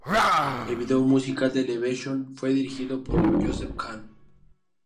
El video musical de "Elevation" fue dirigido por Joseph Kahn.